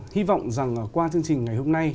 hy vọng rằng qua chương trình ngày hôm nay